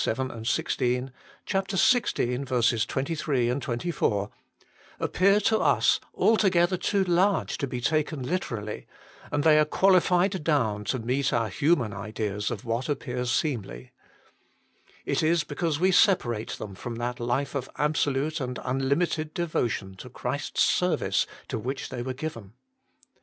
7, 16; xvi. 23, 24), appear to us altogether too large to be taken literally, and they are qualified down to meet our human ideas of what appears seemly. It is because we separate them from that life of absolute and unlimited devotion to Christ s ser vice to which they were given.